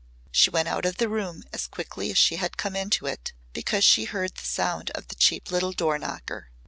She went out of the room as quickly as she had come into it because she heard the sound of the cheap little door knocker.